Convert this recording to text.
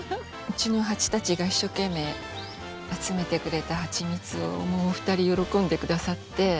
うちのハチたちが一生懸命集めてくれたはちみつをもうお二人喜んでくださって。